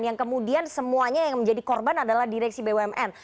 yang kemudian semuanya yang menjadi korban adalah direksi bumn